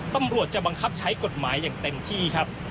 ตำรวจจะบังคับใช้กฎหมายอย่างเต็มที่ครับ